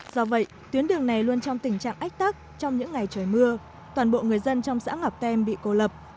do vậy tuyến đường này luôn trong tình trạng ách tắc trong những ngày trời mưa toàn bộ người dân trong xã ngọc tem bị cô lập